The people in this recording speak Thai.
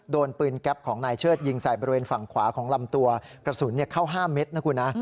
โดนปืนแก๊ปของนายเชิดยิงใส่บริเวณฝั่งขวาของลำตัวกระสุนเข้า๕เมตรนะคุณนะ